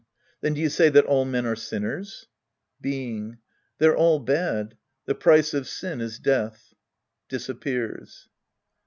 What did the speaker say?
Then do you say that all men are sinners ? Being. They're all bad. The price of sin is death. {Disappears.)